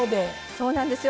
そうなんですよ。